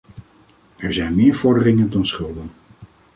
Er zijn meer vorderingen dan schulden.